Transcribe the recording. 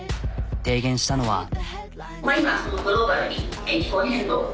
提言したのは。